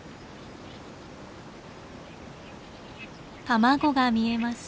卵が見えます。